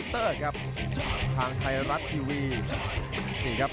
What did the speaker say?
อื้อหือจังหวะขวางแล้วพยายามจะเล่นงานด้วยซอกแต่วงใน